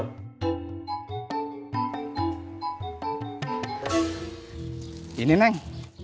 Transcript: udah gw mau checking in ning